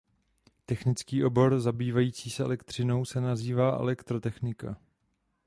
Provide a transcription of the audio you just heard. Technický obor zabývající se elektřinou se nazývá elektrotechnika.